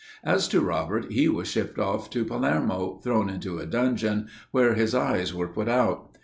As to Robert, he was shipped off to Palermo, thrown into a dungeon, where his eyes were put out.